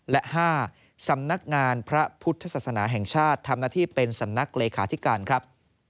และ๕สำนักงานพระพุทธศาสนาแห่งชาติทำหน้าที่เป็นสำนักเลขาธิการครับ